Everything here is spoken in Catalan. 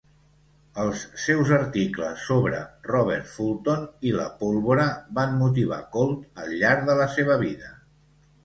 Els seus articles sobre Robert Fulton i la pólvora van motivar Colt al llarg de la seva vida.